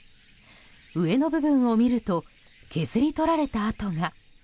上の部分を見ると削り取られた跡が。